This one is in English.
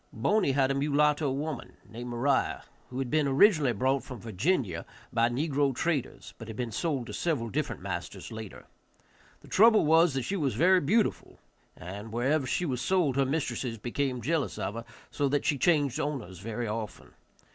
Boney had a mulatto woman, named Moriah, who had been originally brought from Virginia by negro traders, but had been sold to several different masters later. The trouble was that she was very beautiful, and wherever she was sold her mistresses became jealous of her, so that she changed owners very often.